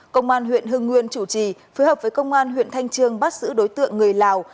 công an huyện hưng nguyên chủ trì phối hợp với công an huyện thanh trương bắt giữ đối tượng người lào